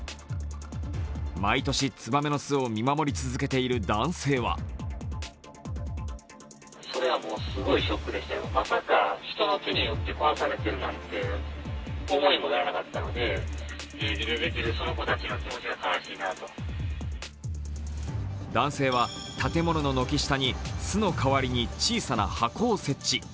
毎年ツバメの巣を見守り続けている男性は男性は建物の軒下に巣の代わりに小さな箱を設置。